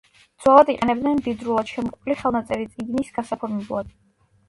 ძველად იყენებდნენ მდიდრულად შემკული ხელნაწერი წიგნის გასაფორმებლად.